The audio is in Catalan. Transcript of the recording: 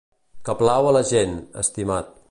Que plau a la gent, estimat.